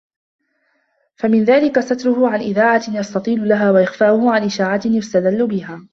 فَمِنْ ذَلِكَ سَتْرُهُ عَنْ إذَاعَةٍ يَسْتَطِيلُ لَهَا ، وَإِخْفَاؤُهُ عَنْ إشَاعَةٍ يَسْتَدِلُّ بِهَا